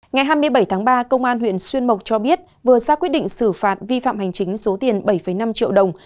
ngày hai mươi bảy tháng ba công an huyện xuyên mộc cho biết vừa ra quyết định xử phạt vi phạm hành chính số tiền bảy năm triệu đồng